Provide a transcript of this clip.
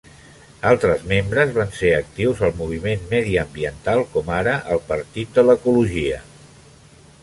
Altres membres van ser actius al moviment mediambiental, com ara el Partit de l'Ecologia.